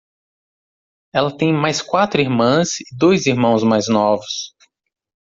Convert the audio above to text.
Ela tem mais quatro irmãs e dois irmãos mais novos.